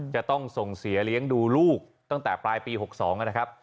จะต้องส่งเสียเลี้ยงดูลูกตั้งแต่ปลายปี๖๒นะครับ